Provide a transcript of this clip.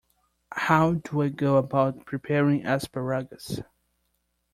How do I go about preparing asparagus?